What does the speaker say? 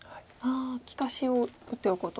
利かしを打っておこうと。